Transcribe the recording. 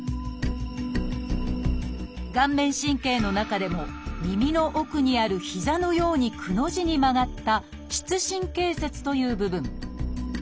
顔面神経の中でも耳の奥にある膝のように「く」の字に曲がった「膝神経節」という部分。